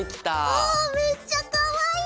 うんめっちゃかわいい！